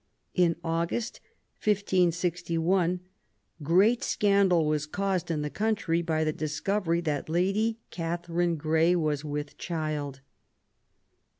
In August, 1561, great scandal was caused in the country by the discovery that Lady Cathaurine Grey was with child.